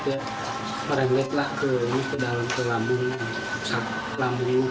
jadi mereka lihatlah ke dalam lambung